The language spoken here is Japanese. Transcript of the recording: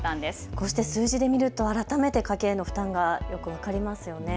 こうして数字で見ると改めて家計への負担が分かりますね。